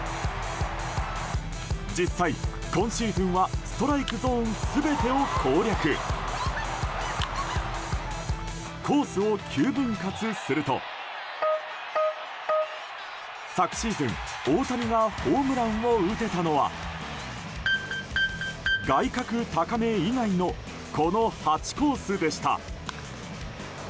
実際、今シーズンはストライクゾーン全てを攻略！コースを９分割すると昨シーズン、大谷がホームランを打てたのは外角高め以外のこの８コースでした。